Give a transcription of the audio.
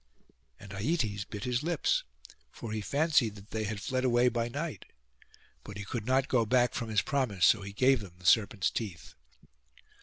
And Aietes bit his lips, for he fancied that they had fled away by night: but he could not go back from his promise; so he gave them the serpents' teeth.